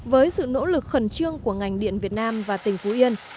với sự nỗ lực khẩn trương của ngành điện việt nam và tỉnh phú yên